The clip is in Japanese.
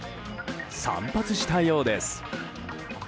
散髪したようです。